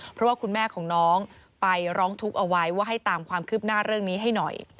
เพราะว่าคุณแม่ของน้องไปร้องทุกข์เอาไว้ว่าให้ตามความคืบหน้าเรื่องนี้ให้หน่อย